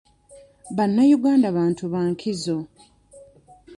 Bannayuganda bantu ba nkizo.